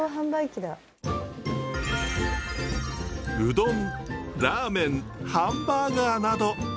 うどんラーメンハンバーガーなど。